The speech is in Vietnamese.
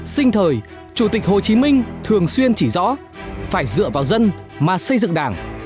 sinh thời chủ tịch hồ chí minh thường xuyên chỉ rõ phải dựa vào dân mà xây dựng đảng